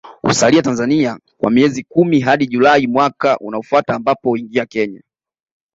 Husalia Tanzania kwa miezi kumi hadi Julai mwaka unaofuata ambapo huingia Kenya